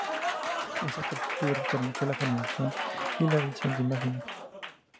Esta estructura permite la formación y la visión de imágenes.